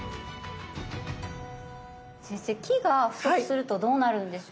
先生「気」が不足するとどうなるんでしょうか？